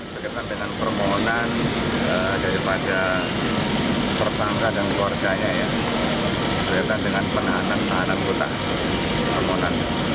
berkaitan dengan permohonan daripada tersangka dan keluarganya berkaitan dengan penahanan kota